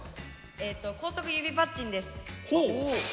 えっと高速指パッチンです。